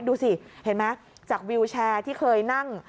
ดูสิเห็นไหมจากวิวแชร์ที่เคยนั่ง